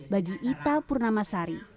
bagi ita purnamasari